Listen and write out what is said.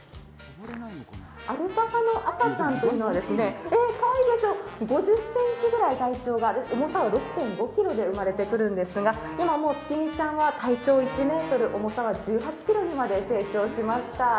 アルパカの赤ちゃんというのは５０ｃｍぐらい体長が、重さは６．５ｋｇで生まれてくるんですが、今、もうつきみちゃんは体長１ｍ、重さは１８ｋｇまで成長しました。